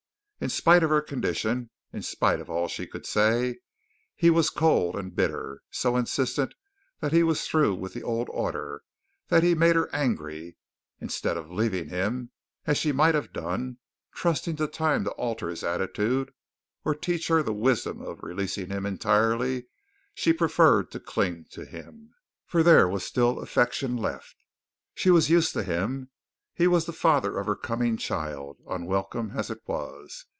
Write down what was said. In spite of her condition, in spite of all she could say, he was cold and bitter, so insistent that he was through with the old order that he made her angry. Instead of leaving him, as she might have done, trusting to time to alter his attitude, or to teach her the wisdom of releasing him entirely, she preferred to cling to him, for there was still affection left. She was used to him, he was the father of her coming child, unwelcome as it was.